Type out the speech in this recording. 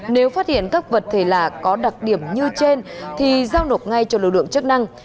nếu phát hiện các vật thể lạ có đặc điểm như trên thì giao nộp ngay cho lực lượng chức năng